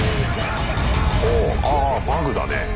ほうあバグだね。